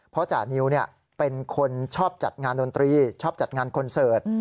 เพราะจานิวเป็นคนชอบจัดงานดนตรีชอบจัดงานคอนเสิร์ต